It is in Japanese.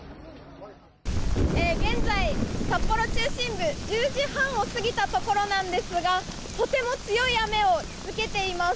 現在、札幌中心部１０時半を過ぎたところなんですがとても強い雨を受けています。